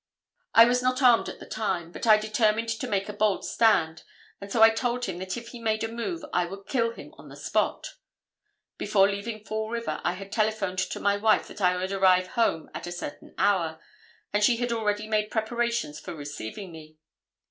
I was not armed at the time, but I determined to make a bold stand, and so I told him that if he made a move I would kill him on the spot. Before leaving Fall River, I had telephoned to my wife that I would arrive home at a certain hour, and she had already made preparations for receiving me.